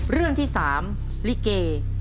เรื่องที่๓ลิเก